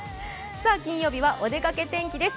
金曜日はおでかけ天気です。